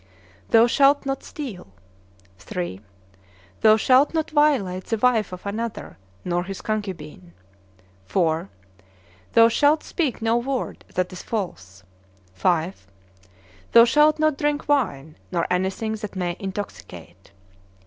Thou shalt not steal. III. Thou shalt not violate the wife of another, nor his concubine. IV. Thou shalt speak no word that is false. V. Thou shalt not drink wine, nor anything that may intoxicate.